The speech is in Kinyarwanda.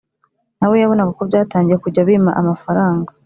na we yabonaga ko byatangiye kujya bima amafaranga